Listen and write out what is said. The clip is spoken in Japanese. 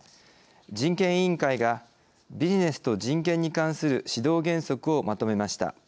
人権委員会がビジネスと人権に関する指導原則をまとめました。